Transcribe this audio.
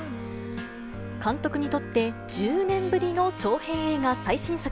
監督にとって、１０年ぶりの長編映画最新作。